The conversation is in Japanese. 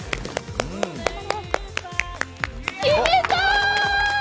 決めた！